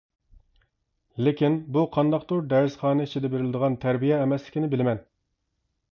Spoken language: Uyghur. لېكىن، بۇ قانداقتۇر دەرسخانا ئىچىدە بېرىلىدىغان تەربىيە ئەمەسلىكىنى بىلىمەن.